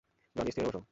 Johnny, স্থির হয়ে বসো।